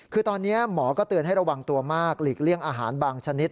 คือตอนนี้หมอก็เตือนให้ระวังตัวมากหลีกเลี่ยงอาหารบางชนิด